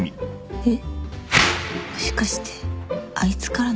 えっ？